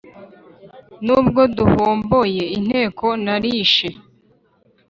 n'ubwo duhomboye inteko nalishe.